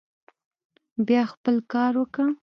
بيا خپل کار وکه.